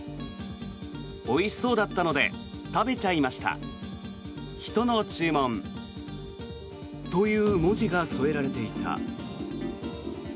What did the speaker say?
おいしそうだったので食べちゃいました人の注文。という文字が添えられていた。